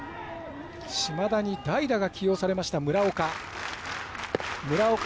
島田に代打が起用されました、村岡。